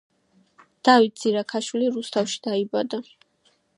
დავით ზირაქაშვილი რუსთავში დაიბადა.